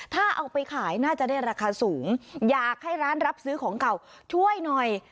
ถ้าเอาไปขายน่าจะได้ราคาสูงอยากให้ร้านรับซื้อของเก่าช่วยหน่อย